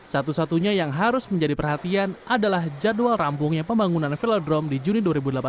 satu satunya yang harus menjadi perhatian adalah jadwal rampungnya pembangunan velodrome di juni dua ribu delapan belas